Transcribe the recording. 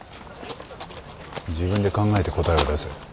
自分で考えて答えを出せ。